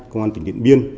công an tỉnh điện biên